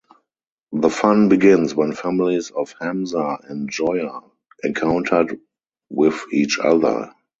The fun begins when families of Hamza and Joya encountered with each other.